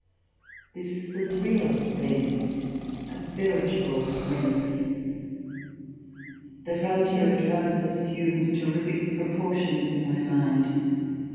This was real, then, a veritable menace. The frontier at once assumed terrific proportions in my mind.